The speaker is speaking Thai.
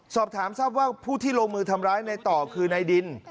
สอบถามทราบว่าผู้ที่ลงมือทำร้ายในต่อคือในดิน